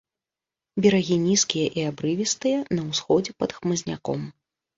Берагі нізкія і абрывістыя, на ўсходзе пад хмызняком.